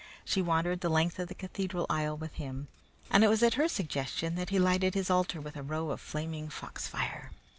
She wandered the length of the cathedral aisle with him, and it was at her suggestion that he lighted his altar with a row of flaming foxfire.